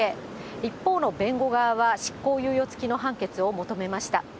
一方の弁護側は執行猶予付きの判決を求めました。